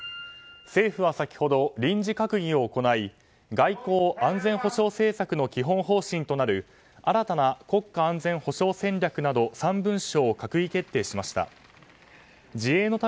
政府は先ほど臨時閣議を行い外交・安全保障政策の基本方針となる新たな国家安全保障戦略など３文書を閣議決定しました。